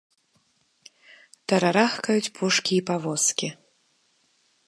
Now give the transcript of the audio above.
Тарарахкаюць пушкі і павозкі.